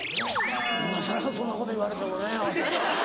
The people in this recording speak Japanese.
今さらそんなこと言われてもね。